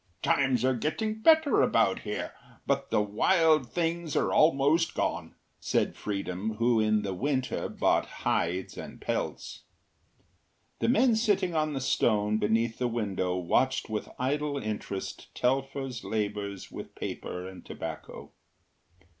“Times are getting better about here, but the wild things are almost gone,” said Freedom, who in the winter bought hides and pelts. The men sitting on the stone beneath the window watched with idle interest Telfer’s labours with paper and tobacco.